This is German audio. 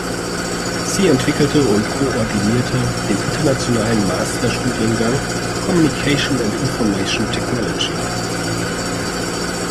Sie entwickelte und koordinierte den internationalen Masterstudiengang „Communication and Information Technology“.